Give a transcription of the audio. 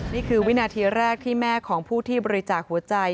นี่คือวินาทีแรกที่แม่ของผู้ที่บริจาคหัวใจ